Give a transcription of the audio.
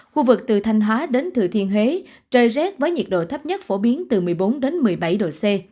khu vực từ thanh hóa đến thừa thiên huế trời rét với nhiệt độ thấp nhất phổ biến từ một mươi bốn đến một mươi bảy độ c